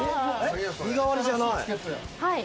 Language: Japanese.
身代わりじゃない。